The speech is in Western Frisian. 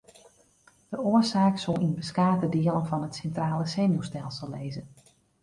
De oarsaak soe yn beskate dielen fan it sintrale senuwstelsel lizze.